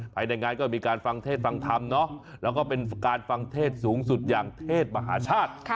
ภายในงานก็มีการฟังเทศฟังธรรมแล้วก็เป็นการฟังเทศสูงสุดอย่างเทศมหาชาติ